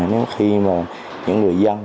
nếu khi mà những người dân